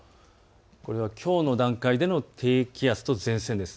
これはきょうの段階での低気圧と前線です。